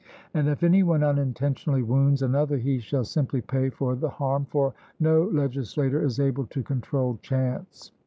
And if any one unintentionally wounds another he shall simply pay for the harm, for no legislator is able to control chance.